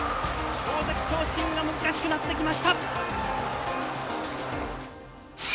大関昇進が難しくなってきました。